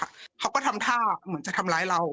เลยประมาณเนี้ยค่ะเขาก็ทำท่าเหมือนจะทำร้ายเรา